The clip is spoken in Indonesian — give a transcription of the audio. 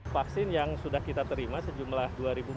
vaksin yang sudah kita terima sejumlah dua empat ratus